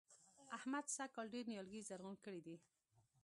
احمد سږ کال ډېر نيالګي زرغون کړي دي.